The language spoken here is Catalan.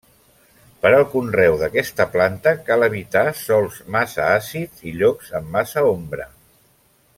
Per al conreu d'aquesta planta cal evitar sòls massa àcids i llocs amb massa ombra.